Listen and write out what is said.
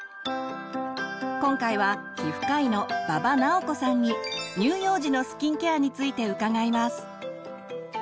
今回は皮膚科医の馬場直子さんに乳幼児のスキンケアについて伺います。